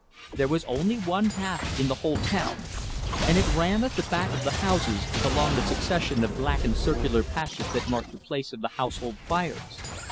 There was only one path in the whole town and it ran at the back of the houses along the succession of blackened circular patches that marked the place of the household fires.